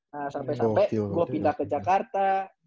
nah sampai sampai gue pindah ke jakarta